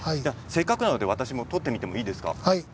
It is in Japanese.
せっかくなので私も取ってみていいですか？